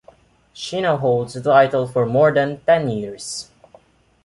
She now holds the title for more than ten years.